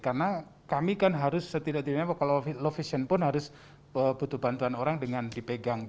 karena kami kan harus setidaknya kalau low vision pun harus butuh bantuan orang dengan dipegang